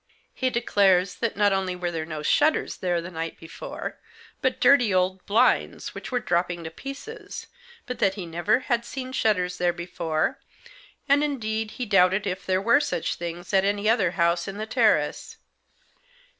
He declares that not only were there no shutters there the night before, but dirty old blinds which were dropping to pieces, but that he never had seen shutters there before, and, indeed, he doubted if there were such things at any other house in the terrace.